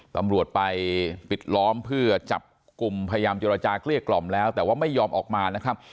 ตำรวจไปปิดล้อมเพื่อจับกลุ่มพยายามเจรจาเกลี้ยกล่อมแล้วแต่ว่าไม่ยอมออกมานะครับ